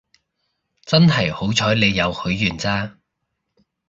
真係好彩你有許願咋